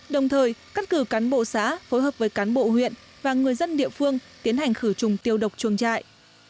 đồng thời cắt cử cán bộ xã phối hợp với cán bộ huyện và người dân địa phương tiến hành khử trùng tiêu độc chuồng trại